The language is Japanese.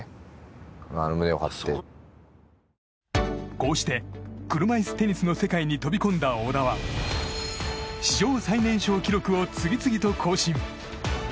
こうして車いすテニスの世界に飛び込んだ小田は史上最年少記録を次々と更新。